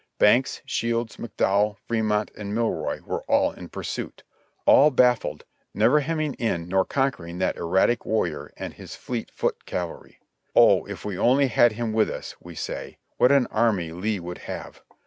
Banks, Shields, McDowell, Fremont and Milroy were all in pursuit ; all bafiled, never hemming in nor conquering that erratic warrior and his fleet foot cavalry. "Oh! if we only had him with us," we say, "what an army Lee would have!"